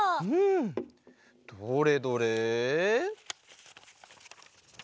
うんどれどれ？